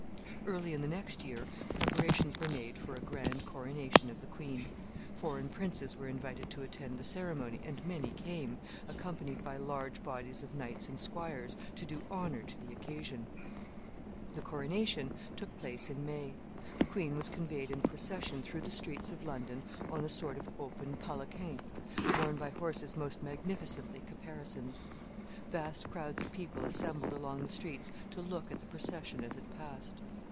Early in the next year preparations were made for a grand coronation of the queen. Foreign princes were invited to attend the ceremony, and many came, accompanied by large bodies of knights and squires, to do honor to the occasion. The coronation took place in May. The queen was conveyed in procession through the streets of London on a sort of open palanquin, borne by horses most magnificently caparisoned. Vast crowds of people assembled along the streets to look at the procession as it passed.